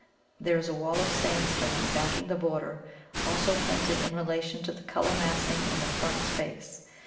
There is a wall of sandstone backing the border, also planted in relation to the colour massing in the front space.